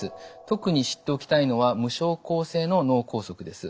特に知っておきたいのは無症候性の脳梗塞です。